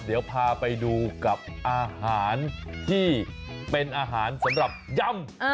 เดี๋ยวพาไปดูกับอาหารที่เป็นอาหารสำหรับยำ